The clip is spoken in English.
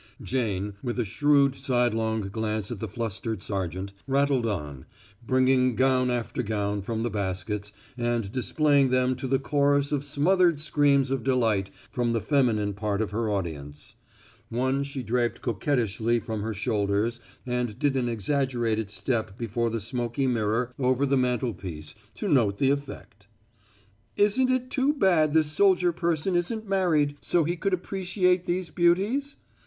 Jane, with a shrewd sidelong glance at the flustered sergeant, rattled on, bringing gown after gown from the baskets and displaying them to the chorus of smothered screams of delight from the feminine part of her audience. One she draped coquettishly from her shoulders and did an exaggerated step before the smoky mirror over the mantelpiece to note the effect. "Isn't it too bad this soldier person isn't married, so he could appreciate these beauties?"